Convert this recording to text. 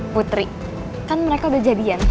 putri kan mereka udah jadian